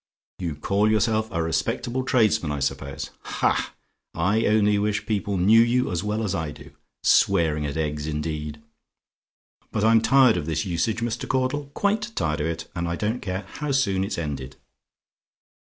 You call yourself a respectable tradesman, I suppose? Ha! I only wish people knew you as well as I do! Swearing at eggs, indeed! But I'm tired of this usage, Mr. Caudle; quite tired of it; and I don't care how soon it's ended!